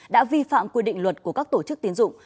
đã vi phạm quy định luật của các tổ chức tiến dụng